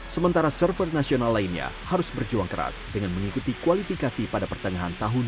sementara server nasional lainnya harus berjuang keras dengan mengikuti kualifikasi pada pertengahan tahun dua ribu dua puluh